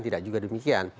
tidak juga demikian